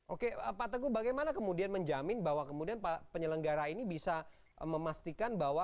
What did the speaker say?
oke pak teguh bagaimana kemudian menjamin bahwa kemudian penyelenggara ini bisa memastikan bahwa